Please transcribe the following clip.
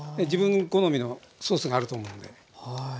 自分好みのソースがあると思うんで。